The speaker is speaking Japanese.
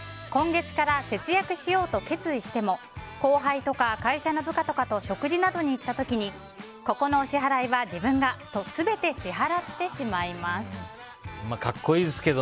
今月から節約しようと決意しても後輩とか会社の部下とかと食事などに行った時にここのお支払いは自分がと全て支払ってしまいます。